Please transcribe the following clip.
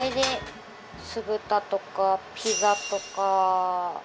これで酢豚とかピザとか。